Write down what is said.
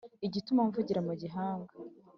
igituma mvugira mu gihanga